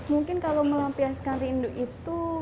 mungkin kalau melampiaskan rindu itu